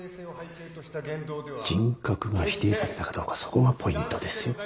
人格が否定されたかどうかそこがポイントですよ。